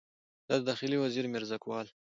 د داخلي وزیر میرزکوال